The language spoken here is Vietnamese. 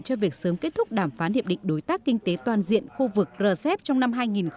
cho việc sớm kết thúc đàm phán hiệp định đối tác kinh tế toàn diện khu vực rcep trong năm hai nghìn hai mươi